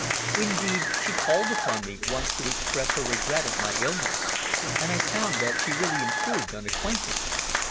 Indeed, she called upon me once to express her regret at my illness, and I found that she really improved on acquaintance.